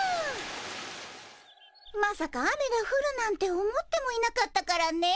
まさか雨がふるなんて思ってもいなかったからねえ。